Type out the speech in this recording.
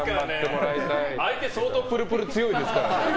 相手、相当プルプル強いですからね。